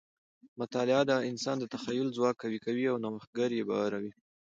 مطالعه د انسان د تخیل ځواک قوي کوي او نوښتګر یې باروي.